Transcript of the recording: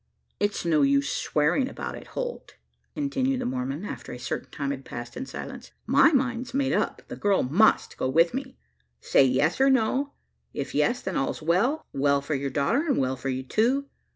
"It's no use swearing about it, Holt," continued the Mormon, after a certain time had passed in silence. "My mind's made up the girl must go with me. Say yes or no. If yes, then all's well well for your daughter, and well for you too.